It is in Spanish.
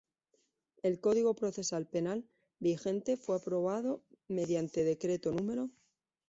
El Código Procesal Penal, vigente fue aprobado mediante Decreto No.